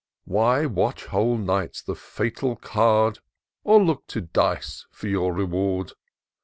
Why watch whole nights the fatal card, Or look to dice for your reward